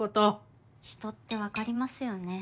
人って分かりますよね